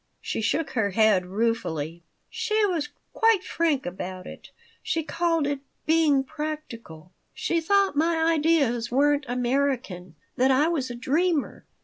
She shook her head ruefully. "She was quite frank about it. She called it being practical. She thought my ideas weren't American, that I was a dreamer.